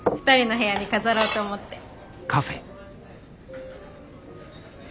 ２人の部屋に飾ろうと思って。